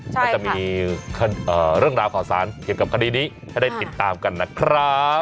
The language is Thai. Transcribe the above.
ก็จะมีเรื่องราวข่าวสารเกี่ยวกับคดีนี้ให้ได้ติดตามกันนะครับ